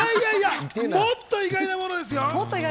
もっと意外なものですよ。